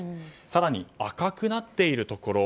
更に、赤くなっているところ。